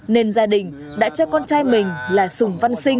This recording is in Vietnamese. nên gia đình đã cho con trai mình là sùng văn sinh